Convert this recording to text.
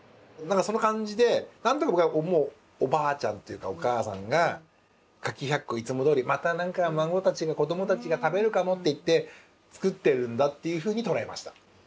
その感じで何となく僕はもうおばあちゃんっていうかお母さんが柿百個いつもどおりまた何か孫たちが子どもたちが食べるかもっていって作ってるんだっていうふうに捉えました。